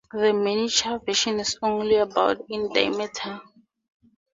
The miniature version is only about in diameter.